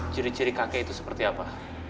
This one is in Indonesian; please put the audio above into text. jiri jiri kakek itu seperti apa